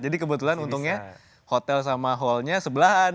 jadi kebetulan untungnya hotel sama hallnya sebelahan